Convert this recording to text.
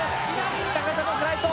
いい高さのフライト。